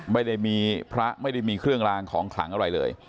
ไม่ได้มีพระไม่ได้มีเครื่องลางของขลังอะไรเลย